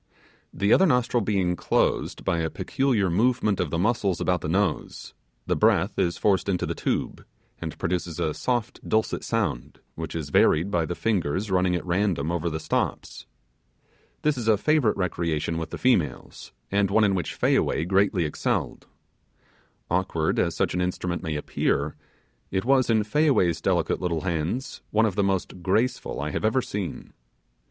The other nostril being closed by a peculiar movement of the muscles about the nose, the breath is forced into the tube, and produces a soft dulcet sound which is varied by the fingers running at random over the stops. This is a favourite recreation with the females and one in which Fayaway greatly excelled. Awkward as such an instrument may appear, it was, in Fayaway's delicate little hands, one of the most graceful I have ever seen.